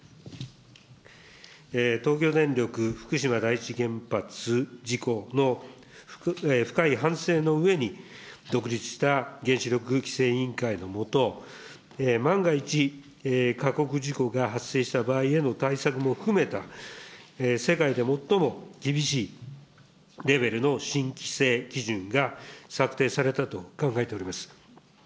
東京電力福島第一原発事故の深い反省のうえに、独立した原子力規制委員会の下、万が一、過酷事故が発生した場合への対策も含めた世界で最も厳しいレベルの新規制基準が策定されたと考えております。